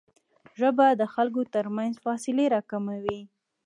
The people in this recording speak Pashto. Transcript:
ژبه د خلکو ترمنځ فاصلې راکموي